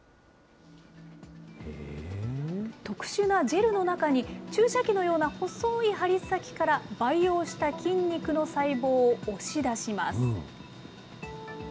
特殊なジェルの中に、注射器のような細い針先から、培養した筋肉の細胞を押し出します。